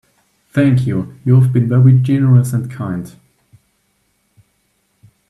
Thank you, you've been very generous and kind!